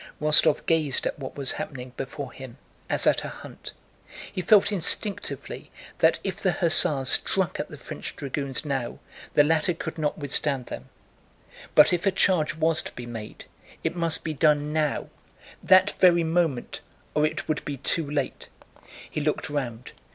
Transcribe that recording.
Rostóv gazed at what was happening before him as at a hunt. He felt instinctively that if the hussars struck at the French dragoons now, the latter could not withstand them, but if a charge was to be made it must be done now, at that very moment, or it would be too late. He looked around.